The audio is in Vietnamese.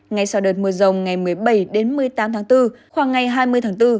ngay sau đợt mưa rồng ngày một mươi bảy một mươi tám tháng bốn khoảng ngày hai mươi tháng bốn